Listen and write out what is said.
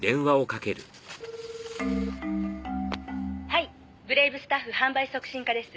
「はいブレイブスタッフ販売促進課です」